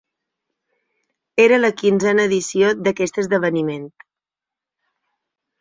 Era la quinzena edició d'aquest esdeveniment.